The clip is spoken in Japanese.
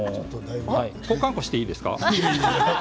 交換していいですか？